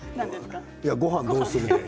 ごはんどうする？